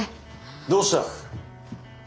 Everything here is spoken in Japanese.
どうした？